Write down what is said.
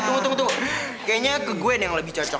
tunggu tunggu tuh kayaknya ke gwen yang lebih cocok